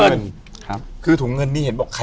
อยู่ที่แม่ศรีวิรัยิลครับ